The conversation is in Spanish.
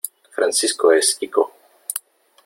Francisco es quico.